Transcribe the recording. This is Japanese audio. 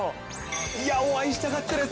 いやー、お会いしたかったです。